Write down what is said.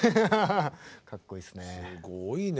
かっこいいっすね。